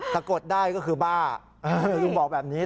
กดได้ก็คือบ้าลุงบอกแบบนี้